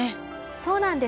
そうなんです。